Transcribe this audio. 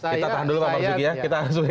kita tahan dulu pak marus giyali ya